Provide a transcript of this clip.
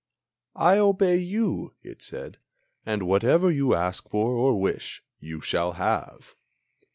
"I obey you," it said, "and whatever You ask for, or wish, you shall have!